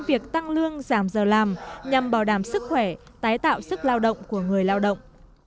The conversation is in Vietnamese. việc tăng lương giảm giờ làm nhằm bảo đảm sức khỏe tái tạo sức lao động của người lao động